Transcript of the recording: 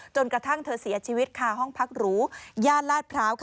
จนกระทั่งเธอเสียชีวิตค่ะห้องพักหรูย่านลาดพร้าว